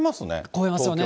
超えますよね。